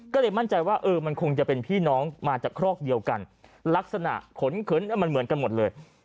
ก็เลยมั่นใจว่าเออมันคงจะเป็นพี่น้องมาจากครอกเดียวกันลักษณะขนเขินมันเหมือนกันหมดเลย